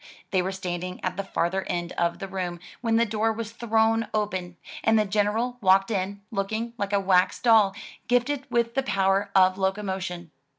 They were standing at the farther end of the room when the door was thrown open, and the General walked in, looking like a wax doll, gifted with the power of locomotion.